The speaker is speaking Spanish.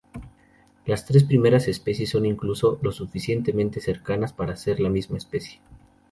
Las tres primeras especies son incluso lo suficientemente cercanas para ser la misma especie.